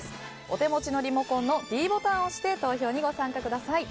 お手持ちのリモコンのｄボタンを押して投票にご参加ください。